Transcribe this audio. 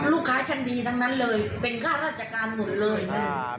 ลูกค้าชั้นดีทั้งนั้นเลยเป็นค่าราชการหมดเลยนะ